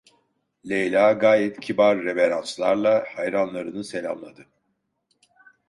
Leyla gayet kibar reveranslarla hayranlarını selamladı.